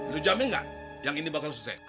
lu jamin gak yang ini bakal susah